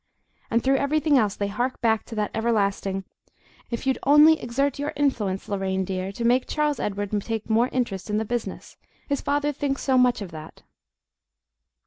And through everything else they hark back to that everlasting, "If you'd only exert your influence, Lorraine dear, to make Charles Edward take more interest in the business his father thinks so much of that."